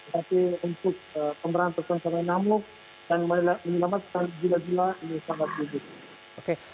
tapi untuk pemeran perusahaan peran namun dan menyelamatkan jila jila ini sangat jauh